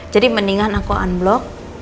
jadi mendingan aku unblock